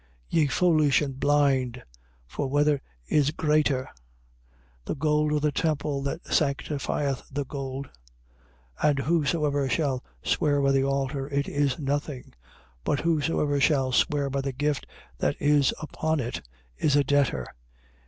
23:17. Ye foolish and blind: for whether is greater, the gold or the temple that sanctifieth the gold? 23:18. And whosoever shall swear by the altar, it is nothing; but whosoever shall swear by the gift that is upon it is a debtor.